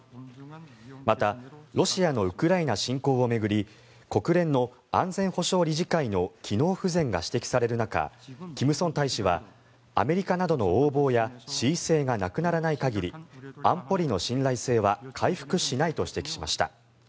また、ロシアのウクライナ侵攻を巡り国連の安全保障理事会の機能不全が指摘される中キム・ソン大使はアメリカなどの横暴や恣意性がなくならない限り安保理の信頼性は回復しないと指摘しました。